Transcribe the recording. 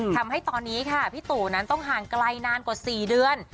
ทำให้ตอนนี้ค่ะพี่ตู่นั้นต้องห่างไกลนานกว่า๔เดือน